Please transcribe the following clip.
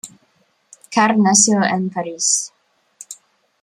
Karr nació en París.